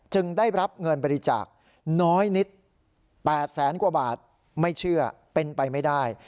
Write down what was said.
ได้รับเงินบริจาคน้อยนิด๘แสนกว่าบาทไม่เชื่อเป็นไปไม่ได้